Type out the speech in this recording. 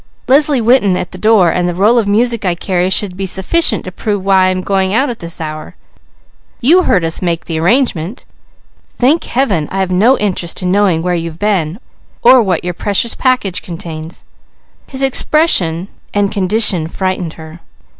"Leslie Winton at the door and the roll of music I carry should be sufficient to prove why I am going out at this hour. You heard us make the arrangement. Thank Heaven I've no interest in knowing where you have been, or what your precious package contains." His expression and condition frightened her.